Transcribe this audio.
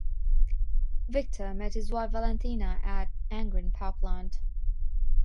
Viktor met his wife Valentina at Angren Power Plant.